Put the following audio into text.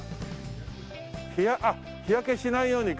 あっ日焼けしないようにか。